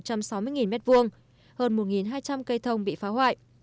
hơn một hai trăm linh cây thông bị phá hoại